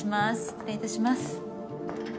失礼いたします。